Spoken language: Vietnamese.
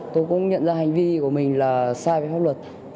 tôi cũng nhận ra hành vi của mình là sai với pháp luật